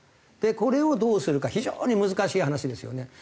これをどうするか非常に難しい話ですよね。